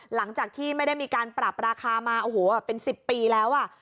หลังจากที่ไม่ได้มีการปรับราคามาโอ้โหเป็น๑๐ปีแล้ว